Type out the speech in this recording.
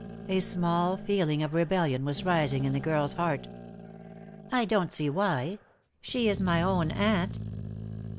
A small feeling of rebellion was rising in the girl's heart. "I don't see why. She is my own aunt."